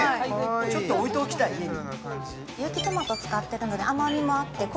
ちょっと置いておきたい、家に。